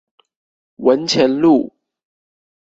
文前路